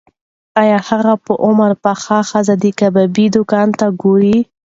ایا هغه په عمر پخه ښځه د کبابي دوکان ته ګوري؟